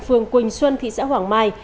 phường quỳnh xuân thị xã hoàng mai